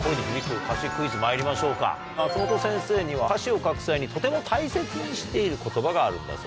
まいりましょうか松本先生には歌詞を書く際にとても大切にしている言葉があるんだそうです。